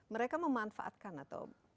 mereka memanfaatkan atau